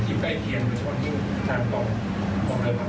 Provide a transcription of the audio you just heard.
เฉพาะนั้นเนี่ยมีช่วงส่วนคลื่นสูงจน๕เมตร